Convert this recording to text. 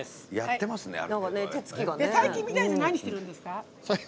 最近、三谷さん何してるんですか。